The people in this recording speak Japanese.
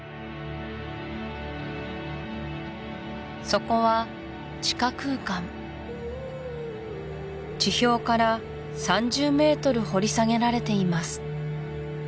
そこは地下空間地表から３０ｍ掘り下げられています